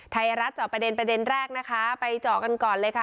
ไทยรัฐเจาะประเด็นประเด็นแรกนะคะไปเจาะกันก่อนเลยค่ะ